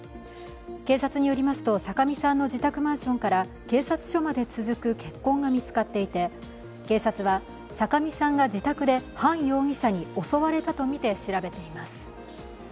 警察によりますと、酒見さんの自宅マンションから警察署まで続く血痕が見つかっていて警察は酒見さんが自宅でハン容疑者に襲われたとみて調べています。